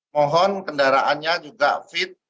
mohon kendaraannya juga fit